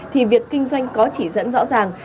thì việc kinh doanh có chỉ dẫn rõ ràng